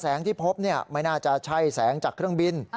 ที่พบไม่น่าจะใช่แสงจากเครื่องบิน